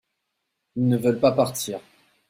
ils ne veulent pas partir.